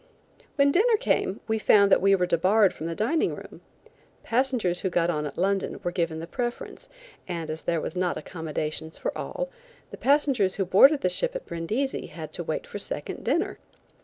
When dinner came we found that we were debarred from the dining room. Passengers who got on at London were given the preference, and as there was not accommodations for all, the passengers who boarded the ship at Brindisi had to wait for second dinner.